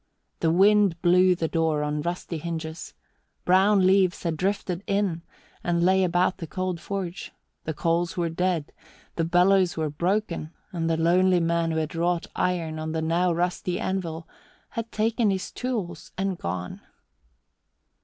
The wind blew the door on rusty hinges; brown leaves had drifted in and lay about the cold forge; the coals were dead, the bellows were broken, and the lonely man who had wrought iron on the now rusty anvil had taken his tools and gone.